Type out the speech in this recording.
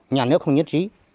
nhà nước không nhất trí